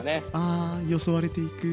あよそわれていく。